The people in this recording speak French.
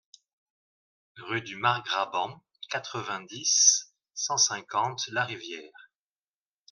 Rue du Margrabant, quatre-vingt-dix, cent cinquante Larivière